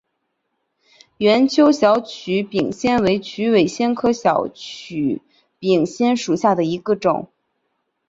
圆锹小曲柄藓为曲尾藓科小曲柄藓属下的一个种。